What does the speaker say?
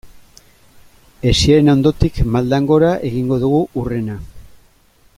Hesiaren ondotik maldan gora egingo dugu hurrena.